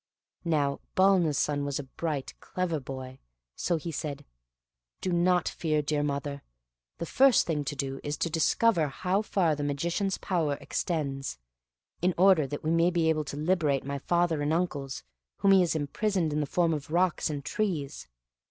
Now Balna's son was a bright, clever boy, so he said, "Do not fear, dear mother; the first thing to do is to discover how far the Magician's power extends, in order that we may be able to liberate my father and uncles, whom he has imprisoned in the form of the rocks and trees.